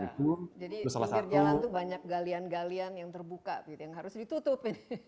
jadi pinggir jalan itu banyak galian galian yang terbuka yang harus ditutup